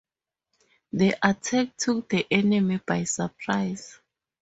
The attack took the enemy by surprise.